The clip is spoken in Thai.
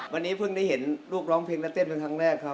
วันนี้เพิ่งได้เห็นลูกร้องเพลงและเต้นเป็นครั้งแรกครับ